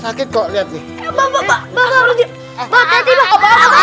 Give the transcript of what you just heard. waalaikumsalam waalaikumsalam selamat selamat